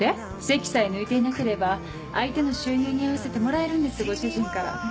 籍さえ抜いていなければ相手の収入に合わせてもらえるんですご主人から。